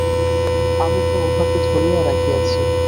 আমিই তো উহাকে ধরিয়া রাখিয়াছি।